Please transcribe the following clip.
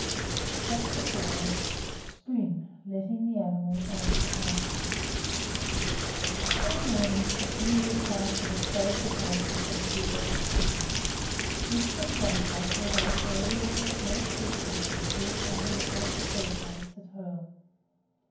CHAPTER IV SPRING: LETTING THE ANIMALS OUT TO PASTURE One morning, a few weeks after the sad departure from Peerout Castle, Lisbeth Longfrock awoke early in the small sleeping room built under the great staircase at Hoel.